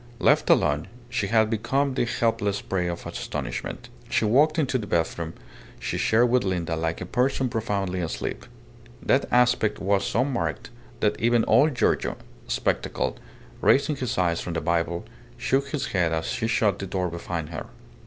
Left alone, she had become the helpless prey of astonishment. She walked into the bedroom she shared with Linda like a person profoundly asleep. That aspect was so marked that even old Giorgio, spectacled, raising his eyes from the Bible, shook his head as she shut the door behind her.